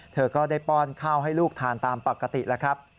เธอก็ได้ป้อนข้าวให้ลูกทานตามปกติแล้วครับ